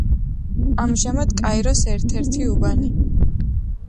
ამჟამად კაიროს ერთ-ერთი უბანი.